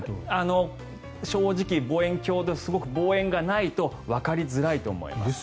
正直、望遠鏡の望遠がないとわかりづらいと思います。